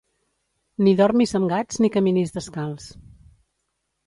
Ni dormis amb gats ni caminis descalç.